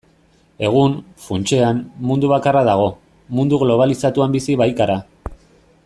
Egun, funtsean, mundu bakarra dago, mundu globalizatuan bizi baikara.